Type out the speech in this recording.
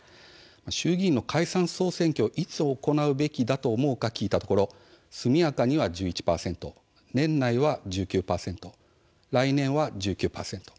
衆議院の解散・総選挙をいつ行うべきだと思うか聞いたところすみやかには１１％年内は１９％、来年は１９％